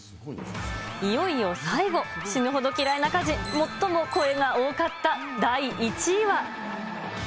いよいよ最後、死ぬほど嫌いな家事、最も声が多かった第１位は。